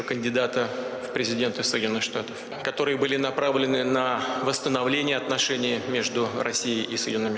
dan kepada presiden donald trump dengan kemenangan di pilihan ini